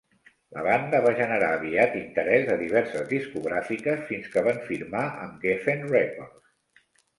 La banda va generar aviat interès de diverses discogràfiques fins que van firmar amb Geffen Records.